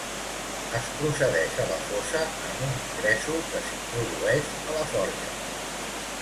Es procedeix a la fosa en un gresol que s'introdueix a la forja.